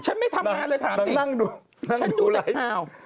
ฉันไม่ทำงานเลยถามจริงนั่งดูนั่งดูไหนฉันดูแต่ข่าว